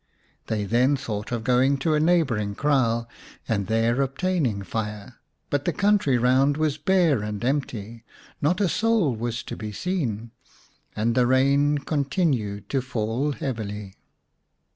They then thought of going to a neighbouring kraal and there obtaining fire, but the country round was bare and empty, not a soul was to be seen. And the rain continued to fall heavily.